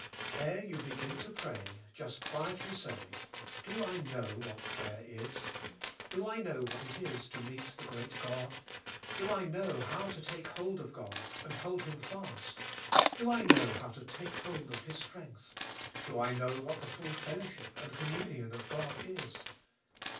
Kre you begin to pray just quietly say. Do I know what prayer is? Do I know what it is to meet the great PRAYKR. 93 God? Do I know how to take hold of God and hold Him fast? Do I know how to take hold of His strength? Do I know what the full fellowship and communion of God is?